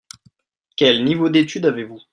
Quel niveau d'étude avez-vous ?